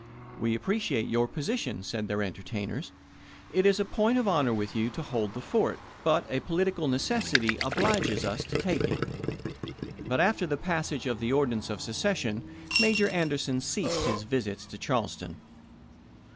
" We appreciate your position," said their entertainers. " It is a point of Doubieday, honor with you to hold the fort, but a political sumter^d necessity obliges us to take it." But after the pas pp. 47,48. sage of the ordinance of secession, Major Anderson "mstSa ceased his visits to Charleston.